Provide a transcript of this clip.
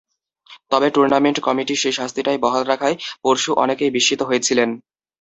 তবে tournament committee সেই শাস্তিটাই বহাল রাখায় পরশু অনেকেই বিস্মিত হয়েছিলেন।